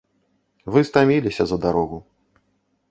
Вы стаміліся за дарогу.